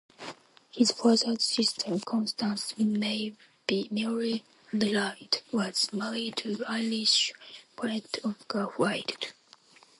His father's sister, Constance Mary Lloyd, was married to Irish poet Oscar Wilde.